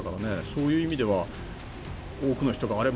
そういう意味では多くの人があれ？